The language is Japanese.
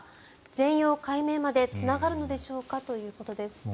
全容解明までつながるのでしょうか？ということです。